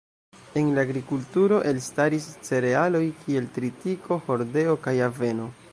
En la agrikulturo elstaris cerealoj kiel tritiko, hordeo kaj aveno.